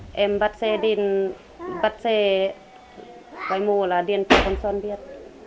em bắt xe điên bắt xe bài mô là điên về con xôn biết